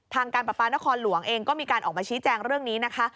การประปานครหลวงเองก็มีการออกมาชี้แจงเรื่องนี้นะคะ